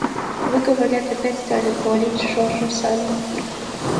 Вы, говорят, опять стали хвалить Жорж Санда.